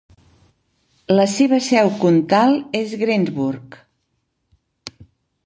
La seva seu comtal és Greensburg.